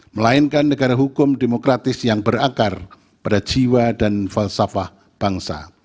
melainkan negara hukum demokratis yang berakar pada jiwa dan falsafah bangsa